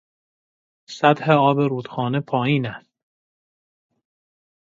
سطح آب رودخانه پایین است.